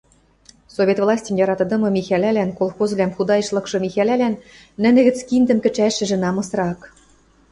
Совет властьым яратыдымы Михӓлӓлӓн, колхозвлӓм худаэш лыкшы Михӓлӓлӓн, нӹнӹ гӹц киндӹм кӹчӓшӹжӹ намысрак.